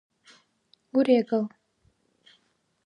урегал